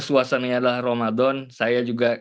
suasananya adalah ramadan saya juga